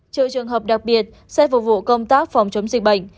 trợ trường hợp đặc biệt sẽ phục vụ công tác phòng chống dịch bệnh